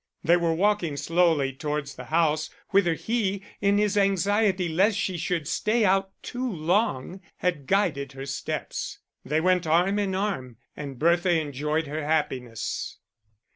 They were walking slowly towards the house, whither he, in his anxiety lest she should stay out too long, had guided her steps. They went arm in arm, and Bertha enjoyed her happiness.